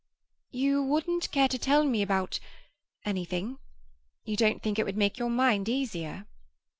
"You wouldn't care to tell me about—anything? You don't think it would make your mind easier?"